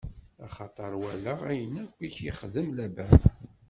Axaṭer walaɣ ayen akk i k-ixdem Laban.